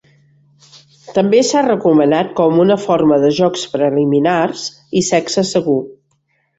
També s"ha recomanat com una forma de jocs preliminars i sexe segur.